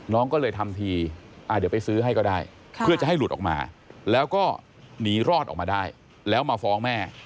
น้องก็เลยทำทีเดี๋ยวไปซื้อให้ก็ได้เพื่อจะให้หลุดออกมาแล้วก็หนีรอดออกมาได้แล้วมาฟ้องแม่